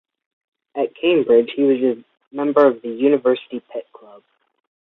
At Cambridge, he was a member of the University Pitt Club.